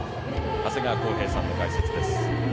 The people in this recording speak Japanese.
長谷川さんの解説です。